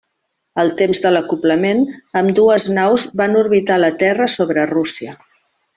Al temps de l'acoblament, ambdues naus van orbitar la Terra sobre Rússia.